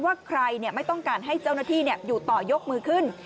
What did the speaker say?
ว่าใครไม่ต้องการให้เจ้าหน้าที่อยู่ต่อยกมือขึ้น